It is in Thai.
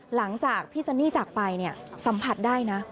หลังจากพี่ซันนี่จากไปเนี่ยสัมผัสได้นะ